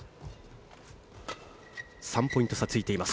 ３ポイント差ついています。